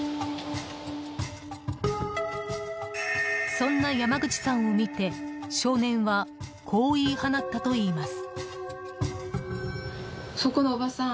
そんな山口さんを見て少年はこう言い放ったといいます。